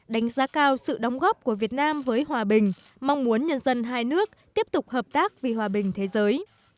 đánh giá cao sự đóng góp của việt nam với hòa bình mong muốn nhân dân hai nước tiếp tục hợp tác vì hòa bình thế giới